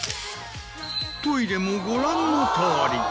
トイレもご覧のとおり。